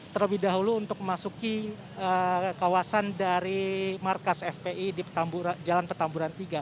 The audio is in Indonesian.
terlebih dahulu untuk memasuki kawasan dari markas fpi di jalan petamburan tiga